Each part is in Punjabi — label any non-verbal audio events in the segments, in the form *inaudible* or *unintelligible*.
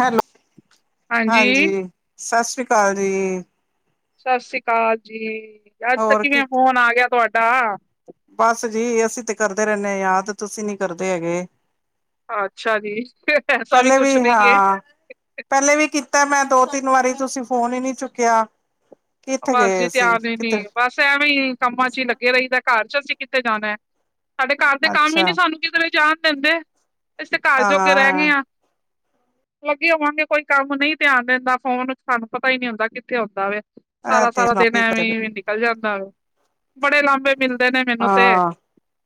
ਹੈਲੋ ਹਾਂਜੀ ਸਤਿ ਸ੍ਰੀ ਅਕਾਲ ਜੀ। ਸਾਸੀ ਕਾਲ ਜੀ। ਅੱਜ ਤ ਹੋਰ ਕੀ ਕਿਵੇਂ ਫੋਨ ਆ ਗਿਆ ਤੁਹਾਡਾ? ਬਸ ਜੀ, ਅਸੀਂ ਤੇ ਕਰਦੇ ਰਹਿੰਨੇ ਆ ਯਾਦ ਤੁਸੀਂ ਨੀ ਕਰਦੇ ਹੈਗੇ। ਅੱਛਾ ਜੀ ਐਸਾ ਪਹਿਲੇ ਕੁਛ ਵੀ ਨਹੀਂ ਏ। ਹਾਂ, ਪਹਿਲੇ ਵੀ ਕੀਤਾ ਮੈਂ ਦੋ ਤਿੰਨ ਵਾਰੀ ਤੁਸੀਂ ਫੋਨ ਈ ਨੀ ਚੁੱਕਿਆ। ਕਿੱਥੇ ਬਸ ਗਏ ਜੀ ਸੀ ਧਿਆਨ ਈ ਨੀ। ਕਿਤੇ ਬਸ, ਐਂਵੀ ਕੰਮਾਂ ਚ ਈ ਲੱਗੇ ਰਹੀਦਾ ਘਰ ਚ ਅਸੀਂ ਕਿੱਥੇ ਜਾਣਾ। ਸਾਡੇ ਘਰ ਦੇ ਕੰਮ ਈ ਅੱਛਾ ਨੀ ਸਾਨੂੰ ਕਿਦਰੇ ਜਾਣ ਦਿੰਦੇ। ਅਸੀ ਘਰ ਜੋਗੇ ਰਹਿ ਗਏ ਹਾਂ ਆ। *inaudible* ਅੱਗੇ ਹੋਵਾਂਗੇ ਕੋਈ ਕੰਮ ਨਹੀਂ ਧਿਆਨ ਦਿੰਦਾ ਫੋਨ ਚ। ਸਾਨੂੰ ਪਤਾ ਹੀ ਨਹੀਂ ਹੁੰਦਾ ਕਿੱਥੇ ਹੁੰਂਦਾ ਵਾ। ਇਹ ਸਾਰਾ, ਤੇ ਸਾਰਾ ਹਾਂ ਦਿਨ ਐਵੇਂ ਨਿਕਲ ਜਾਂਦਾ ਵਾ। ਬੜੇ ਲਾਂਬੇ ਮਿਲਦੇ ਨੇ ਮੈਨੂੰ ਤੇ,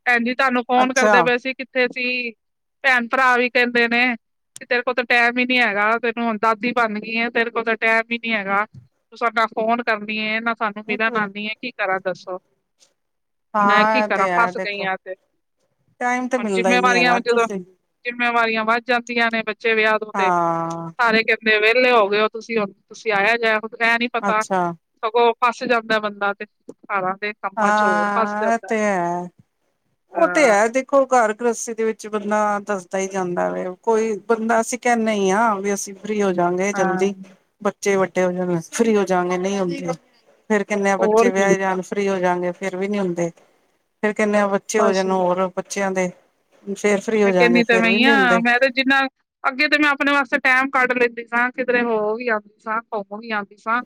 ਭੈਣਜੀ ਤੁਹਾਨੂੰ ਫੋਨ ਅੱਛਾ ਕਰਦੇ ਹਾਂ ਪਏ ਸੀ ਕਿ ਸੀ ਭੈਣ-ਭਰਾ ਵੀ ਕਹਿੰਦੇ ਨੇ ਤੇਰੇ ਕੋਲ ਤਾਂ ਟੈਮ ਈ ਨੀ ਹੈਗਾ, ਤੈਨੂੰ ਦਾਦੀ ਬਨ ਗਈ ਐ। ਤੇਰੇ ਕੋਲ ਤਾਂ ਟੈਮ ਈ ਨੀ ਹੈਗਾ। ਨਾ ਫ਼ੋਨ ਕਰਨੀ ਏ, ਨਾ ਸਾਨੂੰ ਇਹ ਮਿਲਣ ਆਦੀ ਆ ਕੀ ਕਰਾਂ ਦੱਸੋ? ਮੈਂ ਕੀ ਤੇ ਕਰਾਂ? ਹੈ ਫਸ ਗਈ ਦੇਖੋ ਆ ਐ ਤੇ। ਟਾਈਮ ਤੇ ਹੁਨ ਮਿਲਦਾ ਹੀ ਨਹੀਂ ਜਿੰਮੇਵਾਰੀਆਂ ਹੈਗਾ ਵੀ ਜਦੋਂ ਤੁਸੀਂ ਜਿੰਮੇਵਾਰੀਆਂ ਵੱਧ ਜਾਂਦੀਆਂ ਨੇ ਬੱਚੇ ਵਿਆਹ ਵੁਅਹ ਕੇ ਹਾਂ ਸਾਰੇ ਵਿਹਲੇ ਹੋ ਗਏ ਹੋ ਤੁਸੀਂ, ਤੁਸੀਂ ਆਇਆ ਜਾਇ ਹੁਣ ਐ ਨੀ ਪਤਾ ਅੱਛਾ ਸਗੋਂ ਫਸ ਜਾਂਦਾ ਬੰਦਾ ਤੇ ਸਾਰਾ ਦਿਨ ਹਾਂ ਏ ਤੇ ਹੈ। ਓ ਤੇ ਹਾਂ ਹੈ ਦੇਖੋ ਘਰ ਗ੍ਰੇਸਤੀ ਦੇ ਵਿੱਚ ਬੰਦਾ ਧਸਦਾ ਈ ਜਾਂਦਾ ਵ। ਕੋਈ ਬੰਦਾ ਅਸੀਂ ਕਹਿੰਨੇ ਈ ਆ ਵੀ ਅਸੀਂ ਫਰੀ ਹੋਜਾਗੇ ਹਾਂ ਜਲਦੀ ਬੱਚੇ ਵੱਡੇ ਹੋ ਜਾਣ ਫਰੀ ਹੋਜਾ ਗੇ ਨਈ ਹੁੰਦੇ। ਫੇਰ ਕਹਿਨੇ ਬੱਚੇ ਹੋਰ ਕੀ ਵਿਆਹੇ ਜਾਣ ਫ੍ਰਰੀ ਹੋ ਜਾਗੇ, ਫੇਰ ਵੀ ਨੀ ਹੁੰਦੇ ਫੇਰ ਕਹਿਣੇ ਬਚ ਬੱਚੇ ਹੋ ਬਸ ਜਾਣ ਹੋਰ ਬੱਚਿਆਂ ਦੇ ਫੇਰ ਫ੍ਰੀ ਮੈਂ ਕਹਿਣੀ ਤਾਂ ਐਵੇਂ ਈ ਆ ਮੈਂ ਤੇ ਜਿੰਨਾ ਅੱਗੇ ਤੇ ਮੈਂ ਆਪਣੇ ਵਾਸਤੇ ਟੈਮ ਕੱਢ ਲੈਂਦੀ ਸਾਂ। ਕਿਧਰੇ ਹੋ ਵੀ ਆਦੀ ਸਾਂ। ਘੁੰਮ ਵੀ ਆਉਂਦੀ ਸਾਂ।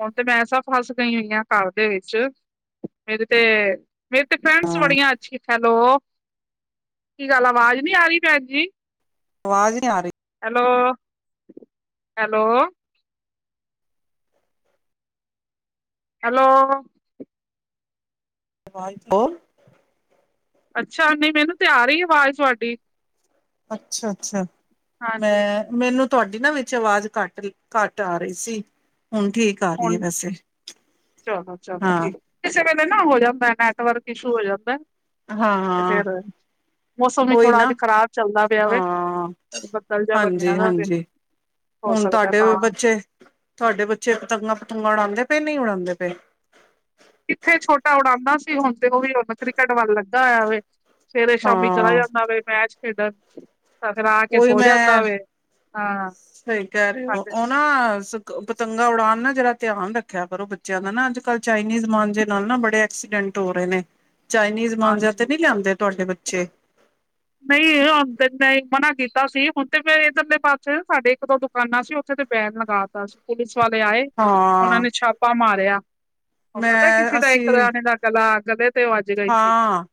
ਹੁਣ ਤੇ ਮੈਂ ਤੇ ਐਸਾ ਫਸ ਗਈ ਹੋਈ ਹਾਂ ਘਰ ਦੇ ਵਿੱਚ ਮੇਰੇ ਤੇ ਮੇਰੀਆਂ ਤੇ ਫਰੈਂਡਸ ਬੜੀਆਂ ਅੱਛੀਆ ਹੈਲੋ? ਕੀ ਗੱਲ ਆਵਾਜ਼ ਨੀ ਆ ਰਈ ਭੈਣ ਜੀ? ਆਵਾਜ਼ ਨੀ ਆ ਰਈ। ਹੈਲੋ-ਹੈਲੋ ਹੈਲੋ *unintelligible* ਅੱਛਾ ਨਈ ਮੈਨੂੰ ਤ ਆ ਰਈ ਆਵਾਜ਼ ਤੁਹਾਡੀ। ਅੱਛਾ, ਅੱਛਾ ਹਾਂਜੀ ਮੈਂ ਮੈਨੂੰ ਤੁਹਾਡੀ ਨਾ ਵਿੱਚ ਆਵਾਜ਼ ਘੱਟ, ਘੱਟ ਆ ਰਹੀ ਸੀ ਹੁਨ ਠੀਕ ਆ ਰਹੀਏ ਹੁਣ ਵੈਸੇ ਚਲੋ ਚਲੋ ਹਾਂ ਠੀਕ ਕਿਸੇ ਵੇਲੇ ਨਾ ਹੋ ਜਾਂਦਾ ਨੈਟਵਰਕ ਇਸ਼ੂ ਹੋ ਜਾਂਦਾ ਐ। ਹਾਂ, ਹਾਂ ਮੌਸਮ ਵੀ ਓਈ ਥੋੜਾ ਨਾ, ਅੱਜ ਖ਼ਰਾਬ ਚੱਲਦਾ ਪਿਆ ਵੇ ਹਾਂ- ਬੱਦਲ ਜਿਹਾ ਬਣਿਆ ਹਾਂਜੀ, ਦਾ ਵੇ, ਹਾਂਜੀ। ਹੋ ਹੁਨ ਸਕਦਾ ਤੁਹਾਡੇ ਤਾਂ ਬੱਚੇ, ਤੁਹਾਡੇ ਬੱਚੇ ਪਤੰਗਾਂ-ਪੁਤੰਗਾਂ ਉਡਾਉਂਦੇ ਪਏ ਨੀ ਉਡਾਉਂਦੇ ਪਏ? ਕਿੱਥੇ ਛੋਟਾ ਉਡਾਦਾ ਸੀ, ਹੁਨ ਤੇ ਉਹ ਵੀ ਹੁਣ ਕ੍ਰਿਕਟ ਵੱਲ ਲੱਗਾ ਹੋਇਆਵੇ ਸਵੇਰੇ ਸ਼ਾਮੀ ਚਲਾ ਹਾਂ ਜਾਂਦਾ ਵ ਮੈਚ ਖੇਡਣ ਫਿਰ ਆ ਕੇ ਓਹੀ ਸੋ ਜਾਂਦਾ ਮੈਂ, ਵੇ। ਹਾਂ ਸਹੀ ਕਹਿ ਰਹੇ ਸਾਡੇ ਓ। ਨਾ ਪਤੰਗਾ ਉਡਾਉਣ ਨਾ ਜਰਾ ਧਿਆਨ ਰੱਖਿਆ ਕਰੋ ਬੱਚਿਆਂ ਦਾ ਨਾ ਅੱਜ-ਕੱਲ੍ਹ ਚਾਈਨੀਜ਼ ਮਾਂਜੇ ਨਾਲ ਨਾ ਬੜੇ ਐਕਸੀਡੈਂਟ ਹੋ ਰਹੇ ਨੇ। ਚਾਈਨੀਜ਼ ਮਾਂਜਾ ਹਾਂਜੀ। ਤੇ ਨੀ ਲਿਆਂਦੇ ਤੁਹਾਡੇ ਬੱਚੇ? ਛੇ ਨਹੀਂਨ ਮਨਾ ਕੀਤਾ ਸੀ ਹੁਣ ਤੇ ਮ ਇੱਧਰਲੇ ਪਾਸੇ ਸਾਡੇ ਇੱਕ ਦੋ ਦੁਕਾਨਾਂ ਸੀ। ਉਥੇ ਤੇ ਬੈਨ ਲਗਾ ਤਾ ਸੀ ਪੁਲਿਸ ਵਾਲੇ ਆਏ ਉਹਨਾਂ ਹਾਂ ਨੇ ਛਾਪਾ ਮਾਰਿਆ। ਉਹ ਪਤਾ ਕਿਸੇ ਮੈਂ ਦਾ ਇੱਕ ਅਸੀਂ ਜਾਣੇ ਦਾ ਗਲਾ ਕਦੇ ਹਾਂ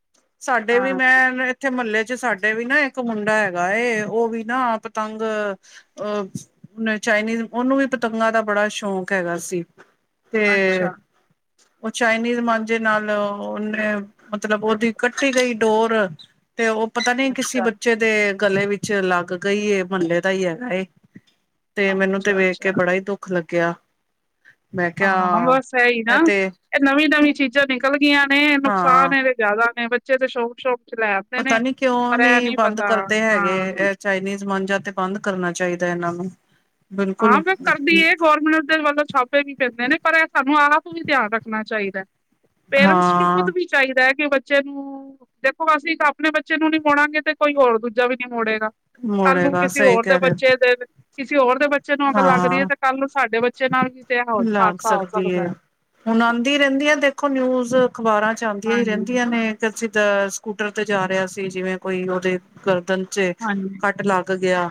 ਸਾਡੇ ਵੀ ਹਾਂ। ਮੈਂ ਇੱਥੇ ਮਹੱਲੇ ਚ ਸਾਡੇ ਵੀ ਨਾ ਇੱਕ ਮੁੰਡਾ ਹੈਗਾ ਏ ਉਹ ਵੀ ਨਾ ਪਤੰਗ ਅਹ ਚਾਈਨੀਜ਼ ਉਹਨੂੰ ਵੀ ਪਤੰਗਾਂ ਦਾ ਬੜਾ ਸ਼ੌਂਕ ਹੈਗਾ ਸੀ। ਅੱਛਾ ਤੇ ਉਹ ਚਾਈਨੀਜ਼ ਮਾਂਝੇ ਨਾਲ ਮਤਲਬ ਉਹਦੀ ਕੱਟੀ ਗਈ ਡੋਰ ਤੇ ਉਹ ਪਤਾ ਨੀ ਕਿਸੇ ਅੱਛਾ ਬੱਚੇ ਦੇ ਗਲੇ ਵਿੱਚ ਲੱਗ ਗਈ ਮਹਲੇ ਦਾ ਹੀ ਹੈਗਾ ਏ ਤੇ ਮੈਨੂੰ ਤੇ ਅੱਛਾ ਵੇਖ ਅੱਛਾ। ਕੇ ਬੜਾ ਹੀ ਦੁੱਖ ਲੱਗਿਆ। ਮੈਂ ਹਾਂ ਕਿਹਾ ਬਸ ਹੈਹੀ ਨਾ ਇਹ ਤੇ ਇਹ ਨਵੀਂ, ਨਵੀਂ ਚੀਜ਼ਾਂ ਨਿਕਲ ਗਈਆਂ ਨੇ ਨੁਕਸਾਨ ਹਾਂ ਇਹਦੇ ਜ਼ਿਆਦਾ ਨੇ ਬੱਚੇ ਤੇ ਸ਼ੋਕ, ਸ਼ੋਕ ਪਤਾ ਨੀ ਕਿਉਂ ਨੀ ਬੰਦ ਕਰਦੇ ਹਾਂ ਹੈਗੇ। ਚਾਈਨੀਜ਼ ਮਾਝਾ ਤੇ ਬੰਦ ਕਰਨਾ ਚਾਹੀਦਾ ਇਹਨਾਂ ਨੂੰ ਹਾਂ ਬਿਲਕੁਲ ਫਿਰ ਕਰਦੀ ਹੈ ਗੌਰਮੈਂਟ ਦੇ ਵੱਲੋਂ ਛਾਪ ਤੇ ਕੀ ਕਰਦੇ ਨੇ ਇਹ ਸਾਨੂੰ ਆਪ ਵੀ ਧਿਆਨ ਰੱਖਣਾ ਚਾਹੀਦਾ ਹੈ ਪੇਰੈਂਟਸ ਨੂੰ ਖੁਦ ਹਾਂ ਵੀ ਚਾਹੀਦਾ ਹੈ ਕਿ ਬੱਚੇ ਨੂੰ ਦੇਖੋ ਅਸੀਂ ਇੱਕ ਆਪਣੇ ਬੱਚੇ ਨੂੰ ਨੀ ਮੋੜਾਂਗੇ ਤੇ ਕੋਈ ਹੋਰ ਦੂਜਾ ਵੀ ਨੀ ਮੋੜੇਗਾ। ਕੱਲ ਨੂੰ ਮੁੜੇਗਾ ਕਿਸੇ ਸਹੀ ਹੋਰ ਦੇ ਕਹਿ ਰਹੇ ਹੋ ਬੱਚੇ ਦੇ ਕਿਸੇ ਹੋਰ ਦੇ ਬੱਚੇ ਨੂੰ ਅਗਰ ਲੱਗ ਰਹੀ ਹੈ ਹਾਂ ਤੇ ਕੱਲ ਨੂੰ ਸਾਡੇ ਬੱਚੇ ਨਾਲ ਵੀ ਤੇ ਲੱਗ ਹਾਦਸਾ ਹੋ ਸਕਦੀ ਸਕਦਾ ਏ। ਹੈ। ਹੁਣ ਆਉਂਦੀ ਰਹਿੰਦੀਆਂ ਦੇਖੋ ਨਿਊਜ਼ ਅਖ਼ਬਾਰਾਂ ਚ ਆਉਂਦੀਆਂ ਹੀ ਹਾਂਜੀ ਰਹਿੰਦੀਆਂ ਨੇ ਅਸੀ ਤਾਂ ਸਕੂਟਰ ਤੇ ਜਾ ਰਿਹਾ ਸੀ ਜਿਵੇਂ ਕੋਈ ਉਹਦੇ ਗਰਦਨ ਚ ਹਾਂਜੀ ਕੱਟ ਲੱਗ ਗਿਆ।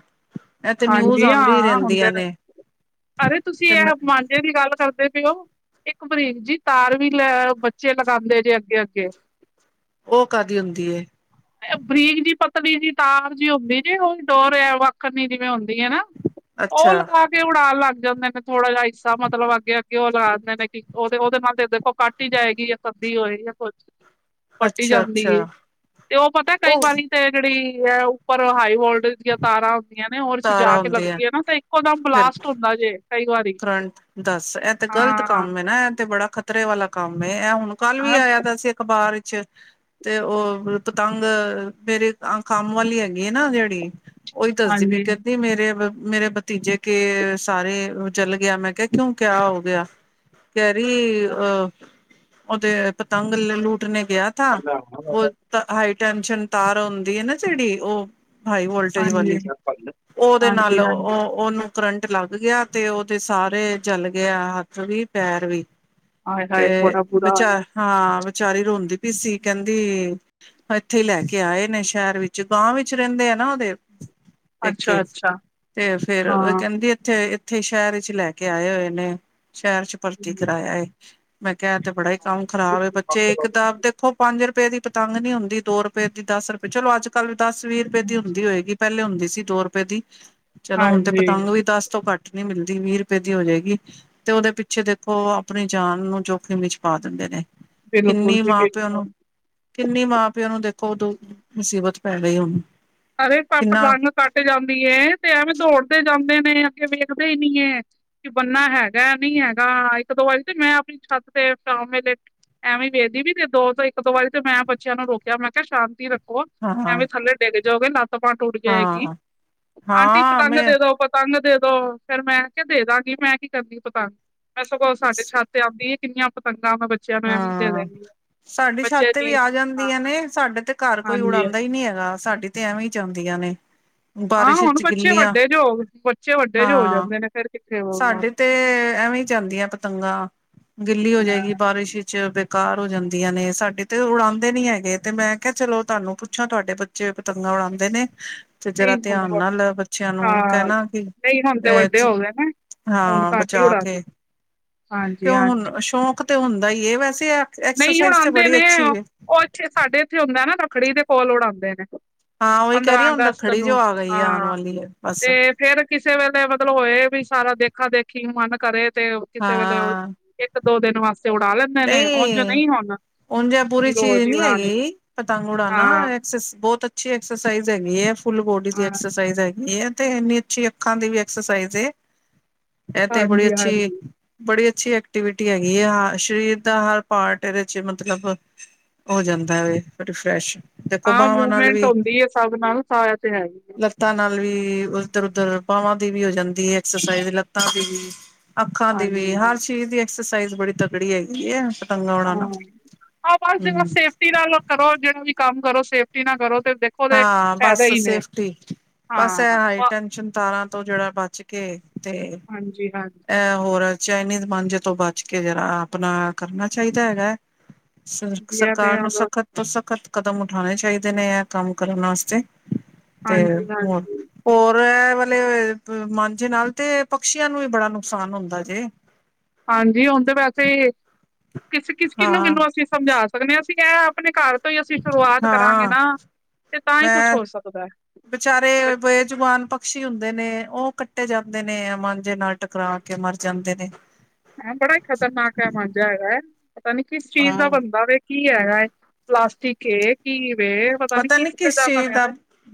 ਇਹ ਤੇ ਨਿਊਜ਼ ਹਾਂਜੀ ਆਂਦੀ ਹੀ ਹਾਂ ਹੁੰਦੇ ਰਹਿੰਦੀਆਂ ਨੇ ਅਰੇ ਤੁਸੀਂ ਤੇ ਇਹ ਮਾਂਝੇ ਦੀ ਗੱਲ ਕਰਦੇ ਪਏਓ ਇੱਕ ਬਰੀਕ ਜੀ ਤਾਰ ਵੀ ਲੈ ਬੱਚੇ ਲਗਾਉਂਦੇ ਜੇ ਅੱਗੇ, ਅੱਗੇ ਉਹ ਕਾਹਦੀ ਹੁੰਦੀ ਏ ਬਰੀਕ ਜੀ ਪਤਲੀ ਜੀ ਤਾਰ ਜਿ ਹੁੰਦੀ ਜੀ ਉਹ ਡੋਰ ਵਾਕਨ ਨੀ ਹੁੰਦੀ ਹੈ ਨਾ ਉਹ ਅੱਛਾ, ਲਗਾ ਕੇ ਤੇ ਉਡਾ ਲੱਗ ਜਾਂਦੇ ਨੇ ਥੋੜਾ ਜਿਹਾ ਹਿੱਸਾ ਮਤਲਬ ਅੱਗੇ, ਅੱਗੇ ਉਹ ਲਗਾ ਦੇਦੇ ਨੇ ਕਿ ਉਹਦੇ, ਉਹਦੇ ਨਾਲ ਤੇ ਦੇਖੋ ਕੱਟ ਹੀ ਜਾਏਗੀ ਆ। ਪੱਬੀ ਹੋਏ *unintelligible* ਹ *unintelligible* ਪੱਟੀ ਜਾਂਦੀ ਤੇ ਉਹ ਪਤਾ ਕਈ ਉਹ ਵਾਰੀ ਜਿਹੜੀ ਹੈ ਉੱਪਰ ਹਾਈ ਵੋਲਟੇਜ ਦੀਆਂ ਤਾਰਾਂ ਹੁੰਦੀ ਹੋਰ ਵਿਚ ਜਾ ਤਾਰਾਂ ਕੇ ਹੁੰਦੀਆਂ ਲੱਗਦੀ ਹੈ ਨਾ ਤੇ ਇੱਕੋਦਮ ਫਿਰ ਬਲਾਸਟ ਹੁੰਦਾ ਜੇ ਕਈ ਵਾਰੀ ਕਰੰਟ ਦੱਸ ਇਹ ਤੇ ਗ਼ਲਤ ਹਾਂ ਕੰਮ ਨਾ ਇਹ ਤੇ ਬੜਾ ਖ਼ਤਰੇ ਵਾਲਾ ਕੰਮ ਇਹ ਹੁਣ ਕੱਲ ਵੀ ਹਾਂ ਆਇਆ ਦਾ ਸੀ ਅਖ਼ਬਾਰ ਚ। ਤੇ ਉਹ ਪਤੰਗ ਮੇਰੇ ਅ ਕੰਮ ਵਾਲੀ ਹੈਗੀ ਆ ਨਾ ਜਿਹੜੀ। ਓਹੀ ਦੱਸਦੀ ਪਈ ਹਾਂਜੀ ਕਹਿੰਦੀ ਮੇਰੇ ਮੇਰੇ ਭਤੀਜੇ ਕੇ ਸਾਰੇ। ਚੱਲ ਗਿਆ ਮੈਂ ਕਿਹਾ ਕਿਉਂ ਕਿਆ ਹੋ ਗਿਆ ਕਹਿ ਰਹੀ ਆਹ। ਉਹਦੇ ਪਤੰਗ ਲੁਟਨੇ ਗਆ ਥਾਂ ਵੋਹ। ਹਾਈ ਟੈਸ਼ਨ ਤਾਰ ਹੁੰਦੀ ਹੈ ਨਾ ਜਿਹੜੀ ਉਹ। ਹਾਈ ਵੋਲਟੇਜ ਹਾਂਜੀ, ਵਾਲੀ ਉਹਦੇ ਹਾਂਜੀ, ਨਾਲ ਉਹ ਹਾਂਜੀ। ਉਹਨੂੰ। ਕਰੰਟ ਲੱਗ ਗਿਆ ਤੇ ਉਹਦੇ ਸਾਰੇ ਜਲ ਗਿਆ ਹੱਥ ਵੀ ਪੈਰ ਵੀ। ਹਾਏ-ਹਾਏ ਤੇ ਬੜਾ ਬੁਰਾ ਹੋਇਆ, ਵਿਚਾਰ ਹਾਂ ਵਿਚਾਰੀ ਰੋਂਦੀ ਪਈ ਸੀ ਕਹਿੰਦੀ। ਇੱਥੇ ਹੀ ਲੈ ਕੇ ਆਏ ਨੇ ਸ਼ਹਿਰ ਵਿੱਚ ਗਾਂਵ ਵਿੱਚ ਰਹਿੰਦੇ ਆ ਨਾ ਉਹਦੇ। ਪੇਕੇ ਅੱਛਾ-ਅੱਛਾ, ਤੇ ਫੇਰ ਉਹ ਹਾਂ। ਕਹਿੰਦੀ ਇੱਥੇ। ਉੱਥੇ ਸ਼ਹਿਰ ਚ ਲੈ ਕੇ ਆਏ ਹੋਏ ਨੇ ਸ਼ਹਿਰ ਚ ਭਰਤੀ ਕਰਾਇਆ ਮੈਂ ਕਿਹਾ ਤੇ। ਬੜਾ ਹੀ ਕੰਮ ਖ਼ਰਾਬ ਏ ਹੂੰ, ਬੱਚੇ ਇੱਕ ਤਾਂ ਆਪਦੇ। ਉੋਹ ਪੰਜ ਰੁਪਏ ਦੀ ਪਤੰਗ ਨੀ ਨਹੀਂ ਹੁੰਦੀ ਦੋ ਰੁਪਏ ਦੀ ਦਸ ਰੁਪਏ ਚਲੋ ਅੱਜ ਕੱਲ ਦਸ ਵੀਹ ਰੁਪਏ ਦੀ ਹੁੰਦੀ ਹੋਏਗੀ। ਪਹਿਲੇ ਹੁੰਦੀ ਸੀ ਦੋ ਰੁਪਏ ਦੀ ਚਲੋ ਹੁਣਦੇ ਹਾਂਜੀ, ਪਤੰਗ ਵੀ ਦਸ ਤੋਂ ਘੱਟ। ਨਹੀਂ ਮਿਲਦੀ ਵੀਹ ਰੁਪਏ ਦੀ ਹੋ ਜਾਏਗੀ। ਤੇ ਉਹਦੇ ਪਿੱਛੇ ਦੇਖੋ, ਆਪਣੀ ਜਾਨ ਨੂੰ ਜੋਖਿਮ ਚ ਪਾ ਦਿੰਦੇ ਨੇ। ਬਿਲਕੁਲ ਕਿੰਨੀ ਜੀ ਮਾਂ ਪਿਓ ਨੂੰ। ਬਿਲਕੁਲ। ਕਿੰਨੀ ਮਾਂ ਪਿਓ ਨੂੰ ਦੇਖੋ, ਉਦੋਂ ਮੁਸੀਬਤ ਪੈ ਗਈ ਹੁਣ। ਅਰੇ ਪੱਪ ਕਿੰਨਾ ਪਤੰਗ ਰੰਗ ਕੱਟ ਜਾਂਦੀ ਤੇ, ਐਵੇਂ ਦੌੜਦੇ ਜਾਂਦੇ ਨੇ ਅੱਗੇ ਵੇਖਦੇ ਹੀ ਨੀ ਹੈ। ਕਿ ਬੰਨਾ ਹੈਗਾ ਨਹੀਂ ਹੈਗਾ, ਇੱਕ ਦੋ ਵਾਰੀ ਤੇ ਮੈਂ ਆਪਣੀ ਛੱਤ ਤੇ ਸ਼ਾਮ ਵੇਲੇ। ਐਵੇਂ ਵੇਖਦੀ ਵੀ ਤੇ ਦੋ ਇੱਕ ਦੋ ਵਾਰੀ ਤੇ ਮੈਂ ਬੱਚਿਆਂ ਨੂੰ ਰੋਕਿਆ ਮੈਂ ਕਿਹਾ ਸ਼ਾਂਤੀ ਰੱਖੋ। ਹੋਰ ਹਾਂ ਐਵੇਂ ਥੱਲੇ ਡਿੱਗ ਜਾਓਗੇ, ਲੱਤ ਬਾਂਹ ਟੁੱਟ ਜਾਏਗੀ ਹਾਂ ਆਂਟੀ ਹਾਂ ਪਤੰਗ ਮੈਂ ਦੇ ਦੋ ਪਰ। ਪਤੰਗ ਦੇ ਦੋ ਫੇਰ ਮੈਂ ਕਿਹਾ ਦੇ ਦਾਂਗੀ, ਮੈਂ ਕੀ ਕਰਨੀ‌ ਦ ਪਤੰਗ ਮੈਂ ਸਗੋਂ ਸਾਡੇ ਛੱਤ। ਤੇ ਆਉਂਦੀ ਏ ਕਿੰਨੀਆਂ ਪਤੰਗਾਂ ਮੈਂ ਬੱਚਿਆਂ ਨੂੰ ਐ ਵੀਂ ਦੇ ਦੇ ਹਾਂ ਦਿੰਦੀ ਹਾ। ਸਾਡੀ ਛੱਤ ਤੇ ਵੀ ਆ ਜਾਂਦੀਆਂ ਨੇ, ਸਾਡੇ ਤੇ ਘਰ ਕੋਈ ਹਾਂਜੀ ਉੜਾਂਦਾ ਹੀ ਨੀ ਹੈਗਾ ਸਾਡੀ। ਤੇ ਐਵੇ ਚਾਹੁੰਦੀਆਂ ਨੇ। ਹਾਂ ਬਾਰਿਸ਼ ਹੁਣ ਵਿੱਚ ਬੱਚੇ ਗਿੱਲੀਆਂ ਵੱਡੇ ਜੋ ਹੋ ਬੱਚੇ ਵੱਡੇ ਜੋ ਹੋ ਹਾਂ ਜਾਂਦੇ ਨੇ ਫੇਰ। ਕਿੱਥੇ ਬੋਲਣਾ ਸਾਡੇ ਤੇ ਐਵੇਂ ਜਾਂਦੀਆਂ ਪਤੰਗਾਂ ਗਿੱਲੀ ਹੋ ਜਾਏਗੀ, ਹਾਂ ਬਾਰਿਸ਼ ਵਿੱਚ। ਬੇਕਾਰ ਹੋ ਜਾਂਦੀਆਂ ਨੇ, ਸਾਡੇ ਤੇ ਉਡਾਉਂਦੇ ਨੀ ਹੈਗੇ, ਤੇ ਮੈਂ ਕਿਹਾ ਚਲੋ ਤੁਹਾਨੂੰ ਪੁੱਛਾਂ ਤੁਹਾਡੇ ਬੱਚੇ। *unintelligible* ਪਤੰਗਾਂ ਉਡਾਉਂਦੇ ਨੇ? ਤੇ ਜਰਾ ਨਹੀਂ ਹੁਣ ਧਿਆਨ ਨਾਲ ਬੱਚਿਆਂ ਨੂੰ ਹਾਂ ਕਹਿਣਾ ਕਿ ਨਹੀਂ ਹੁਣ ਤੇ ਵੱਡੇ ਅਹ। ਹੋ ਗਏ ਨੇ ਹੁਣ ਹਾਂ ਘੱਟ ਹੀ ਬਚਾ ਉਡਾਂਦੇ ਕੇ। ਹਾਂਜੀ ਕਿਉਂ ਹਾਂਜੀ ਹੁਣ ਸ਼ੌਕ ਤੇ ਹੁੰਦਾ ਹੀ ਹੈ, ਵੈਸੇ ਐਕਸਰਸਾਈਜ਼ ਤੇ ਬੜੀ ਅੱਛੀ ਹੈ। ਤੇ ਸਾਡੇ ਇੱਥੇ ਹੁੰਦਾ ਨਾ, ਰੱਖੜੀ ਦੇ ਕੋਲ ਉਡਾਉਂਦੇ ਨੇ। ਹਾਂ ਉਹੀ ਕਹਿ ਰਹੀ ਪੰਦਰਾਂ ਹੁਣ ਅਗਸਤ ਰੱਖੜੀ ਜੋ ਨੂੰ, ਆ ਗਈ ਹੈ ਆਉਣ ਹਾਂ ਵਾਲੀ ਹੈ ਬਸ ਤੇ। ਫੇਰ ਕਿਸੇ ਵੇਲੇ ਮਤਲਬ ਹੋਏ, ਵੀ ਸਾਰਾ ਦੇਖਾ ਦੇਖੀ ਮਨ ਕਰੇ ਤੇ ਕਿਸੇ ਵੇਲੇ। ਹਾਂ ਇੱਕ ਦੋ ਦਿਨ ਵਾਸਤੇ ਉਡਾ ਲੈਂਦੇ ਨੇ। ਉੰਝ ਕੇ ਨਹੀਂ ਹੁਣ ਹੁਣ ਕਿ ਪੂਰੀ ਚੀਜ਼ ਰੋਜ਼ ਹੀ ਨੀ ਉਡਾਣੀ ਹੈਗੀ, ਪਤੰਗ ਉੜਨਾ। ਹਾਂ ਬਹੁਤ ਅੱਛੀ ਐਕਸਰਸਾਈਜ਼ ਹੈਗੀ ਹੈ, ਫੁੱਲ ਬੋਡੀ ਦੀ ਹਾਂ ਐਕਸਰਸਾਈਜ਼ ਹੈਗੀ ਹੈ, ਤੇ ਇੰਨੀ। ਅੱਛੀ, ਅੱਖਾਂ ਦੀ ਵੀ ਐਕਸਰਸਾਈਜ਼ ਇਹ ਤੇ ਬੜੀ ਹਾਂਜੀ ਅੱਛੀ। ਹਾਂਜੀ ਬੜੀ ਅੱਛੀ ਐਕਟੀਵਿਟੀ ਹੈਗੀ ਆ। ਸਰੀਰ ਦਾ ਹਰ ਪਾਰਟ ਇਹਦੇ ਚ ਮਤਲਬ ਹੋ ਜਾਂਦਾ ਵੇ ਰਿਫਰੈਸ਼। ਦੇਖੋ ਆ ਬਾਹਵਾਂ ਨਾਲ ਮੂਵਮੈਂਟ ਵੀ ਹੁੰਦੀ ਹੈ, ਸਭ ਨਾਲ ਸਾਇਆ ਤੇ ਹੈਗੀ। ਲੱਤਾਂ ਨਾਲ ਵੀ ਉਧਰ ਉਧਰ ਬਾਵਾਂ ਦੀ ਵੀ ਹੋ ਜਾਂਦੀ ਐਕਸਰਸਾਈਜ਼ ਲੱਤਾਂ ਦੀ ਵੀ। ਅੱਖਾਂ ਦੀ ਵੀ ਹਾਂਜੀ ਹਰ ਚੀਜ਼ ਦੀ ਐਕਸਰਸਾਈਜ਼ ਬੜੀ ਤਕੜੀ ਹੈਗੀ ਆ। ਹਾਂ ਆਹ ਬਸ ਜਰਾ ਸੇਫਟੀ ਨਾਲ ਕਰੋ, ਜਿਹੜਾ ਵੀ ਕੰਮ ਕਰੋ ਸੇਫਟੀ ਨਾਲ ਕਰੋ ਤੇ। ਦੇਖੋ ਤੇ ਹਾਂ ਫਾਇਦਾ ਬਸ ਹੀ ਨੇ ਸੇਫਟੀ ਬਸ ਹਾਂ ਇਹ ਹਾਈ ਟੈਸ਼ਨ ਤਾਰਾਂ ਤੋਂ ਜਿਹੜਾ ਬਚ। ਬੱਚ ਕੇ ਤੇ। ਹਾਂਜੀ, ਹਾਂਜੀ। ਇਹ ਹੋਰ ਚਾਈਨੀਜ਼ ਮਾਂਜੇ ਤੋਂ ਬਚ ਕੇ ਜਿਹੜਾ ਆਪਣਾ ਕਰਨਾ ਚਾਹੀਦਾ ਹੈਗਾ? ਸਰ ਵਧੀਆ ਤੇ ਸਰਕਾਰ ਨੂੰ ਹੁਣ ਸਖਤ ਤੋਂ ਸਖ਼ਤ ਕਦਮ ਉਠਾਉਣੇ ਚਾਹੀਦੇ ਨੇ ਹੈ? ਕੰਮ ਕਰਨ ਵਾਸਤੇ ਤੇ ਹਾਂਜੀ ਹੋਰ ਹਾਂਜੀ ਹੋਰ ਇਹ ਵਾਲੇ ਮਾਂਝੇ ਨਾਲ ਤੇ ਪਕਸ਼ੀਆਂ ਨੂੰ ਵੀ ਬੜਾ ਨੁਕਸਾਨ ਹੁੰਦਾ ਜੇ। ਹਾਂਜੀ ਹੁਣ ਤੇ ਵੈਸੇ ਕਿਸ-ਕਿਸ, ਹਾਂ ਕਿਹਨੂੰ-ਕਿਹਨੂੰ ਅਸੀਂ ਸਮਝਾ ਸਕਦੇ ਹਾਂ, ਅਸੀਂ ਕਹਿ ਆਪਣੇ ਘਰ ਤੋਂ ਹੀ ਅਸੀਂ ਸ਼ੁਰੂਆਤ ਕਰਾਂਗੇ ਹਾਂ ਨਾ ਤੇ ਤਾਂ ਹੀ ਕੁਛ ਮੈਂ ਹੋ ਸਕਦਾ। ਵਿਚਾਰੇ ਬ ਬੇਜੁਬਾਨ ਪਕਸ਼ੀ ਹੁੰਦੇ ਨੇ, ਉਹ ਕੱਟੇ ਜਾਂਦੇ ਨੇ ਮਾਂਜੇ ਨਾਲ। ਟਕਰਾ ਕੇ ਮਰ ਜਾਂਦੇ ਨੇ। ਹਾਂ ਬੜਾ ਹੀ ਖਤਰਨਾਕ ਇਹ ਮਾਂਝਾ ਹੈਗਾ ਹੈ, ਪਤਾ ਨੀ ਕਿਸ ਚੀਜ਼ ਦਾ ਹਾਂ ਬੰਦਾ ਵਖ? ਕੀ ਹੈਗਾ, ਪਲਾਸਟਿਕ ਏ ਘੀਵੇ ਪਤਾ ਨੀ ਕਿਸ ਚੀਜ਼ ਦਾ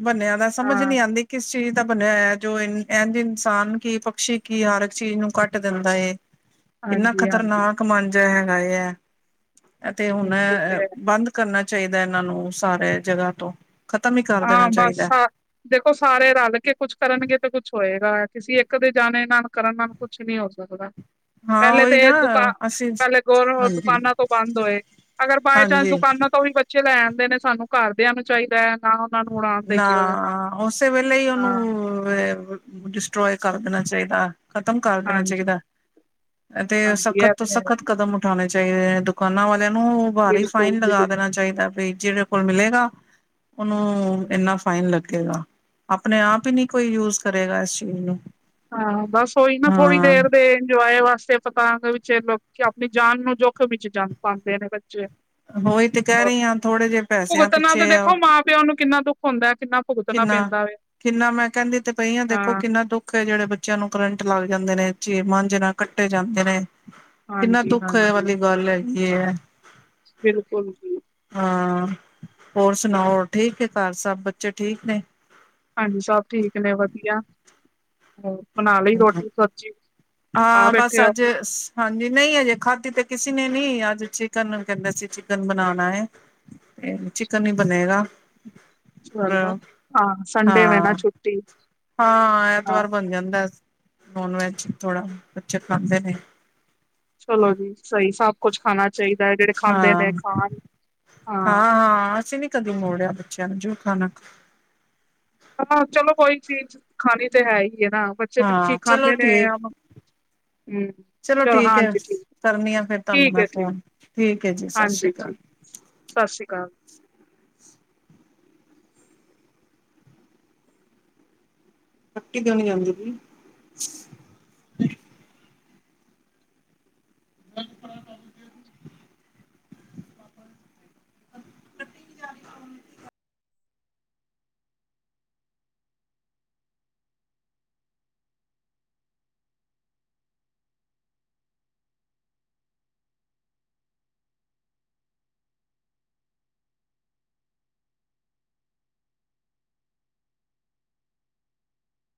ਬੰਨਿਆਂ ਦਾ, ਸਮਝ ਹਾਂ ਨੀ ਆਉਂਦੀ। ਕਿਸ ਚੀਜ਼ ਦਾ ਬਣਿਆ ਹੈ, ਜੋ ਇ ਇਝ ਇਨਸਾਨ ਕੀ ਪਕਸ਼ੀ ਕੀ ਹਰ ਇੱਕ ਚੀਜ਼ ਨੂੰ ਕਟ ਦਿੰਦਾ ਹੈ। *unintelligible* ਇੰਨਾ ਹਾਂਜੀ ਹਾਂਜੀ ਖ਼ਤਰਨਾਕ ਮੰਜਾ ਹੈਗਾ ਆ ਅਤੇ ਹੁਣ ਹਾਂਜੀ, ਉਹ ਤੇ ਹੈ ਬੰਦ ਕਰਨਾ ਚਾਹੀਦਾ, ਇਹਨਾਂ ਨੂੰ ਸਾਰੇ ਜਗ੍ਹਾ ਤੋਂ ਖਤਮ ਹੀ ਕਰ ਹਾਂ ਦੇਣਾ ਬਸ ਚਾਹੀਦਾ। ਦੇਖੋ ਸਾਰੇ ਰਲ ਕੇ ਕੁਛ ਕਰਨਗੇ ਤੇ ਕੁੱਛ ਹੋਏਗਾ। ਕਿਸੇ ਇੱਕ ਦੇ ਜਾਣੇ ਨਾਲ ਕਰਨ ਨਾਲ ਕੁਛ ਨੀ ਹੋ ਸਕਦਾ। ਹਾਂ ਪਹਿਲੇ ਉਹੀ ਨਾ ਤੇ ਦੁਕਾਨ ਅਸੀਂ ਪਹਿਲੇ ਗ ਹਾਂਜੀ ਦੁਕਾਨਾਂ ਤੋਂ ਬੰਦ ਹੋਏ। ਅਗਰ ਬਾਏ ਚਾਂਸ ਹਾਂਜੀ ਦੁਕਾਨਾਂ ਤੋਂ ਵੀ ਬੱਚੇ ਲੈਣਦੇ ਨੇ, ਸਾਨੂੰ ਘਰਦਿਆਂ ਨੂੰ ਚਾਹੀਦਾ ਹੈ ਨਾ। ਉਹਨਾਂ ਨੂੰ ਉਡਾਣ ਨਾ, ਦੇਈਏ ਉਹਦੇ ਨਾਲ। ਉਸੇ ਵੇਲੇ ਹੀ ਉਹਨੂੰ, ਹਾਂ ਡਿਸਟ੍ਰੋਏ ਕਰ ਦੇਣਾ ਚਾਹੀਦਾ। ਖ਼ਤਮ ਕਰ ਦੇਣਾ ਹਾਂਜੀ ਚਾਹੀਦਾ। ਤੇ ਹਾਂਜੀ ਸਖਤ ਇਹ ਤੋਂ ਤੇ ਹੈ ਸਖਤ ਕਦਮ ਉਠਾਉਣੇ ਚਾਹੀਦੇ ਨੇ। ਦੁਕਾਨਾਂ ਵਾਲਿਆਂ ਨੂੰ ਭਾਰੀ ਬਿਲਕੁਲ ਫਾਈਨ ਜੀ ਲਗਾ ਦੇਣਾ ਚਾਹੀਦਾ। ਬ ਜਿੜੇ ਫਲ ਮਿਲੇਗਾ। ਉਹਨੂੰ। ਬਿਲਕੁਲ। ਫਾਈਨ ਲੱਗੇਗਾ। ਆਪਣੇ ਆਪ ਹੀ ਨਹੀਂ ਕੋਈ ਯੂਜ ਕਰੇਗਾ ਇਸ ਚੀਜ਼ ਨੂੰ। ਹਾਂ। ਬਸ ਉਹੀ ਨਾ ਥੋੜ੍ਹੀ ਹਾਂ ਦੇਰ ਦੇ ਇੰਜੋਏ ਵਾਸਤੇ ਤਾਂ ਦੇ ਵਿੱਚ ਲੋਕ ਆਪਣੀ ਜਾਨ ਨੂੰ ਜੋਖਮ ਵਿੱਚ ਜਾ ਪਾਉਂਦੇ ਨੇ ਬੱਚੇ। ਉਹੀ ਤੇ ਕਹਿ ਰੋ ਰਹੀ ਹਾਂ ਥੋੜੇ ਜਿਹੇ ਪੈਸਿਆਂ ਭੁਗਤਣਾ ਪਿੱਛੇ ਤੇ ਦੇਖੋ ਮਾਂ- ਪਿਓ ਨੂੰ ਕਿੰਨਾ ਦੁੱਖ ਹੁੰਦਾ ਕਿੰਨਾ। ਭੁਗਤਣਾ ਕਿੰਨਾ। ਪੈਂਦਾ ਵੇ। ਕਿੰਨਾ ਮੈਂ ਕਹਿੰਦੀ ਤੇ ਪਈ ਹਾਂ ਦੇਖੋ ਕਿੰਨਾ ਦੁੱਖ ਜਿਹੜੇ ਬੱਚਿਆਂ ਨੂੰ ਕਰੰਟ ਲੱਗ ਜਾਂਦੇ ਨੇ। ਚੀ ਮਾਂਜੇ ਨਾਲ ਕੱਟੇ ਜਾਂਦੇ ਨੇ। ਕਿੰਨਾ ਹਾਂਜੀ ਦੁੱਖ ਹਾਂਜੀ ਵਾਲੀ ਗੱਲ ਹੈਗੀ ਇਹ ਹੈ। ਬਿਲਕੁਲ ਜੀ। ਹਾਂ, ਹੋਰ ਸੁਣਾਓ ਹੋਰ ਠੀਕ ਹੈ। ਘਰ ਸਭ ਬੱਚੇ ਠੀਕ ਨੇ? ਹਾਂਜੀ। ਸਭ ਠੀਕ ਨੇ ਵਧੀਆ। ਹਮ। ਬਣਾ ਲਈ ਰੋਟੀ, ਸਬਜ਼ੀ ਖਾ ਬੈਠੇਿਆ ਉ? ਦਸ। ਹਾਂਜੀ। ਨਹੀਂ ਅਜੇ ਖਾਦੀ ਤੇ ਕਿਸੇ ਨੇ ਨੀ। ਅੱਜ ਚਿਕਨ ਕਹਿੰਦੇ ਸੀ। ਚਿਕਨ ਬਣਾਉਣਾ ਹੈ। ਚਿਕਨ ਹੀ ਬਣੇਗਾ। ਚਲੋ ਹਾਂ, ਸੰਡੇ ਵ ਨਾ ਛੁੱਟੀ। ਹਾਂ। ਹਾਂ ਐਤਵਾਰ ਬਣ ਜਾਂਦਾ ਨੋਨ ਵੈਜ ਥੋੜਾ ਬੱਚੇ ਖਾਂਦੇ ਨੇ। ਚਲੋ ਜੀ, ਸਹੀ ਸਭ ਕੁਛ ਖਾਣਾ ਚਾਹੀਦਾ। ਜਿਹੜੇ ਖਾਂਦੇ ਹਾਂ ਨੇ ਖਾਣ ਹਾਂ। ਕਦੋਂ ਮੋੜਿਆ ਬੱਚਿਆਂ ਨੂੰ ਜੋ ਖਾਣਾ ਖਾਓ। ਹਾਂ, ਚਲੋ ਕੋਈ ਚੀਜ਼ ਖਾਣੀ ਤੇ ਹੈ ਹੀ ਹੈ ਨਾ ਬੱਚੇ ਜੇਹੜੀ ਚੀਜ਼ ਹਾਂ ਚਲੋ ਖਾਂਦੇ ਨੇ। ਠੀਕ ਹਮ। ਚਲੋ ਠੀਕ ਹੈ। ਕਰਨੀ ਆ ਫੇਰ ਤੁਹਾਨੂੰ ਠੀਕ ਮੈਂ ਹੈ ਠੀਕ ਫੋਨ ਠੀਕ ਹੈ। ਜੀ ਸਤਿ ਸ਼੍ਰੀ ਹਾਂਜੀ ਅਕਾਲ। ਠੀਕ ਸਤਿ ਸ੍ਰੀ ਅਕਾਲ। ਪੱਕ ਕਿਣੀ ਜਾਂਦੀ ਪਾਈ। ਕੱ ਵੀ